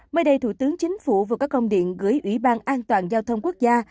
mới đây thủ tướng chính phủ vừa có công điện gửi ủy ban an toàn giao thông quốc gia